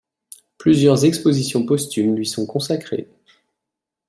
Plusieurs expositions posthumes lui sont consacrées.